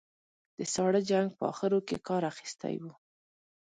د ساړه جنګ په اخرو کې کار اخیستی و.